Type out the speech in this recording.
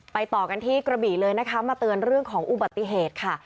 ต่อกันที่กระบี่เลยนะคะมาเตือนเรื่องของอุบัติเหตุค่ะ